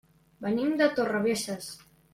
Venim de Torrebesses.